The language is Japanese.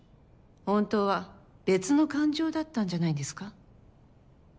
本当は別の感情だったんじゃないですか？